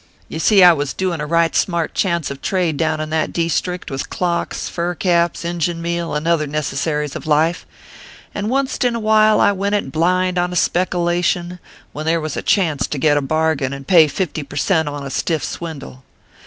You see I was doin a right smart chance of trade down in that deestrict with clocks, fur caps, Ingin meal, and other necessa ries of life ; and onct in a while I went it blind on a spekullation, when there was a chance to get a bar gain, and pay fifty per cent, on a stiff swindle.